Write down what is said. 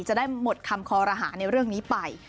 จะได้หมดคำคอรหาในเรื่องนี้ไป